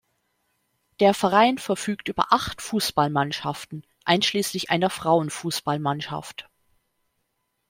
Der Verein verfügt über acht Fußball-Mannschaften, einschließlich einer Frauenfußballmannschaft.